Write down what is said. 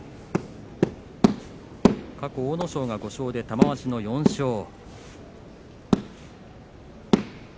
過去、阿武咲が５勝で玉鷲の４勝。